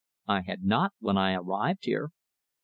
"I had not when I arrived here."